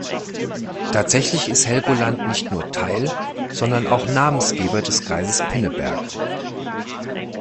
Tatsächlich ist Helgoland nicht nur Teil, sondern auch Namensgeber des Kreises Pinneberg.